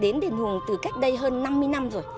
đến đền hùng từ cách đây hơn năm mươi năm rồi